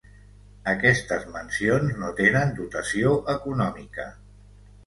Aquestes mencions no tenen dotació econòmica.